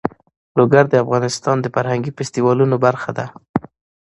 لوگر د افغانستان د فرهنګي فستیوالونو برخه ده.